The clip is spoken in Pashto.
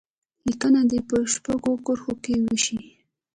لیکنه دې په شپږو کرښو کې وشي.